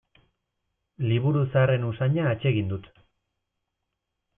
Liburu zaharren usaina atsegin dut.